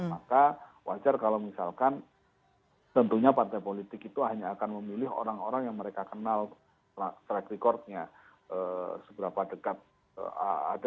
maka wajar kalau misalkan tentunya partai politik itu hanya akan memilih orang orang yang mereka kenal track recordnya seberapa dekat